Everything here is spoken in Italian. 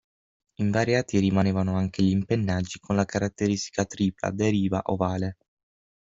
Invariati rimanevano anche gli impennaggi con la caratteristica tripla deriva ovale.